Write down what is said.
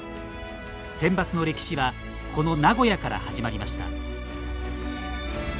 センバツの歴史はこの名古屋から始まりました。